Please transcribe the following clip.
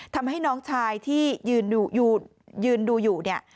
ทำให้น้องชายที่ยืนดูอยู่เนี่ย